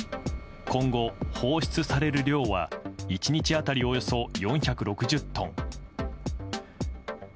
今後、放出される量は１日当たりおよそ４６０トンです。